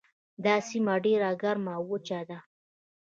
دا سیمه ډیره ګرمه او وچه ده.